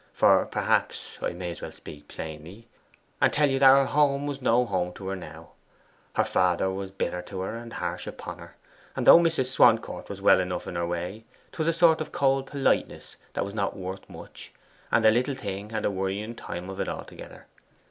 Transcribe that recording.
For, perhaps, I may as well speak plainly, and tell you that her home was no home to her now. Her father was bitter to her and harsh upon her; and though Mrs. Swancourt was well enough in her way, 'twas a sort of cold politeness that was not worth much, and the little thing had a worrying time of it altogether.